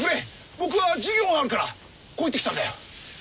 僕は授業があるからこう言ってきたんだよ。